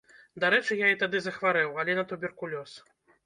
Дарэчы, я і тады захварэў, але на туберкулёз.